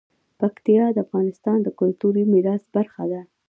پکتیا د افغانستان د کلتوري میراث برخه ده.